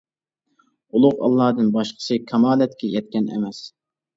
ئۇلۇغ ئاللادىن باشقىسى كامالەتكە يەتكەن ئەمەس.